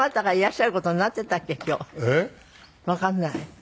わかんない。